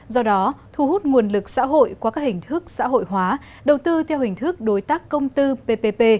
do đó thu hút nguồn lực xã hội qua các hình thức xã hội hóa đầu tư theo hình thức đối tác công tư ppp